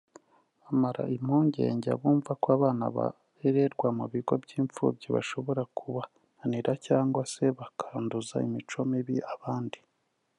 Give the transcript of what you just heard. Amara impungenge abumva ko abana barererwa mu bigo by’imfubyi bashobora kubananira cyangwa se bakanduza imico mibi abandi